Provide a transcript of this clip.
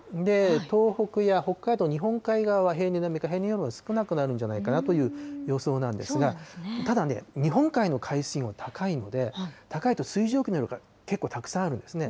東北や北海道日本海側は平年並みか平年よりも少なくなるんじゃないかなという予想なんですが、ただね、日本海の海水温高いんで、高いと水蒸気の量が結構たくさんあるんですね。